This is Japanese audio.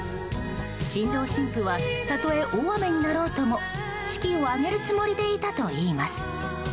新郎新婦はたとえ大雨になろうとも式を挙げるつもりでいたといいます。